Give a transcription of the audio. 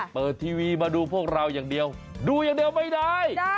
เปิดทีวีมาดูพวกเราอย่างเดียวดูอย่างเดียวไม่ได้